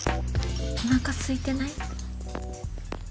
おなか、すいてない？